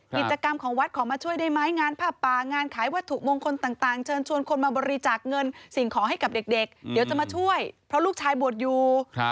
กิจกรรมของวัดขอมาช่วยได้ไหมงานผ้าป่างานขายวัตถุมงคลต่างเชิญชวนคนมาบริจาคเงินสิ่งขอให้กับเด็กเดี๋ยวจะมาช่วยเพราะลูกชายบวชอยู่